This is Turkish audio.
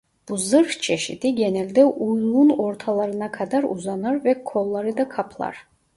Bu zırh çeşidi genelde uyluğun ortalarına kadar uzanır ve kolları da kaplar.